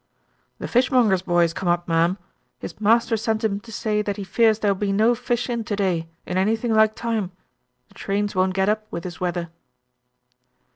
"The fishmonger's boy is come up, ma'am. His master has sent him to say that he fears there'll be no fish in to day, in anything like time. The trains won't get up, with this weather."